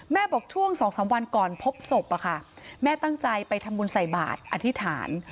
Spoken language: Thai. บอกช่วง๒๓วันก่อนพบศพแม่ตั้งใจไปทำบุญใส่บาทอธิษฐาน